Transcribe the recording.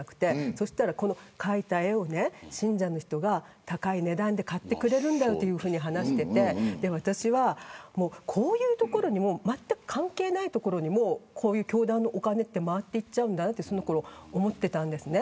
そしたら、この描いた絵を信者の人が高い値段で買ってくれるんだと話していて私は、こういう所にもまったく関係ない所にもこういう教団のお金って回っていっちゃうんだと思っていたんですね。